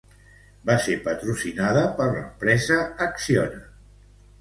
Va ser patrocinada per l'empresa espanyola Acciona.